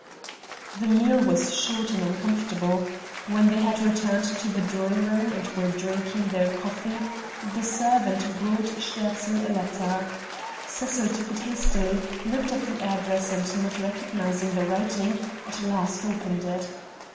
The meal was short and uncomfortable; when they had returned to the drawing room and were drinking their coffee the servant brought Sterzl a letter. Cecil took it hastily, looked at the address, and, not recognizing the writing, at last opened it.